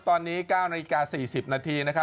ตอนนี้๙๔๐น